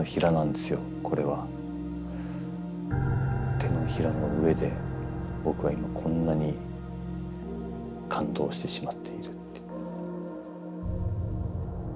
手のひらの上で僕は今こんなに感動してしまっている。